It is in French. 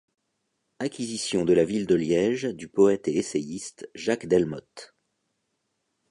Acquisition de la ville de Liège du poète et essayiste Jacques Delmotte.